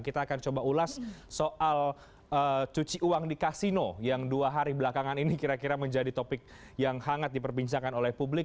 kita akan coba ulas soal cuci uang di kasino yang dua hari belakangan ini kira kira menjadi topik yang hangat diperbincangkan oleh publik